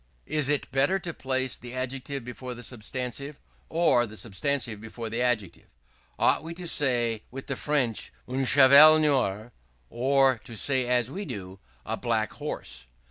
Is it better to place the adjective before the substantive, or the substantive before the adjective? Ought we to say with the French un cheval noir; or to say as we do a black horse?